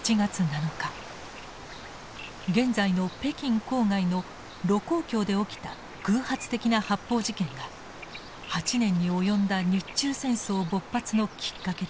現在の北京郊外の盧溝橋で起きた偶発的な発砲事件が８年に及んだ日中戦争勃発のきっかけでした。